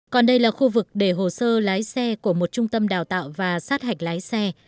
còn đây là khu vực để hồ sơ lái xe của một trung tâm đào tạo và sát hạch lái xe